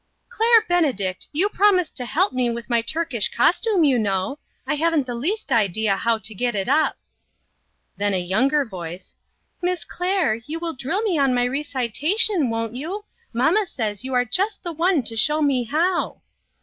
" Claire Benedict, you promised to help me with my Turkish costume, you know. I haven't the least idea how to get it up." Then a younger voice: " Miss Claire, you will drill me on my recitation, won't you ? Mamma says you are just the one to show me how."